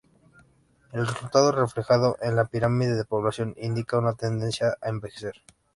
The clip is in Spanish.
El resultado, reflejado en la pirámide de población, indica una tendencia a envejecer.